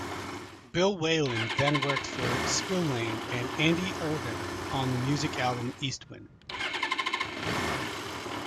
Bill Whelan then worked for Spillane and Andy Irvine on the music album "EastWind".